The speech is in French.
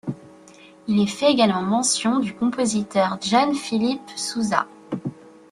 Il est fait également mention du compositeur John Philip Sousa.